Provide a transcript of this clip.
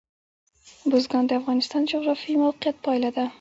بزګان د افغانستان د جغرافیایي موقیعت پایله ده.